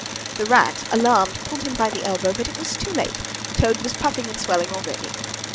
The Rat, alarmed, pulled him by the elbow; but it was too late. Toad was puffing and swelling already.